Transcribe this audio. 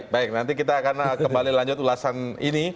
baik nanti kita akan kembali lanjut ulasan ini